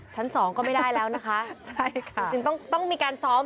ชั้น๒ก็ไม่ได้แล้วนะคะจริงต้องมีการซ้อม